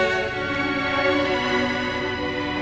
nih gue mau ke rumah papa surya